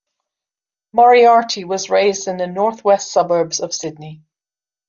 Moriarty was raised in the north-west suburbs of Sydney.